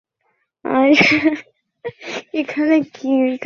একদিন স্কুলের শিক্ষকেরা খবর দিলেন শেরে বাংলা মানিকগঞ্জে আসবেন নির্বাচনের প্রচারে।